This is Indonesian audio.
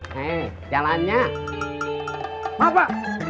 hei jalannya apa